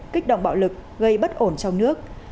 kích động bạo lực gây bất ổn trong nước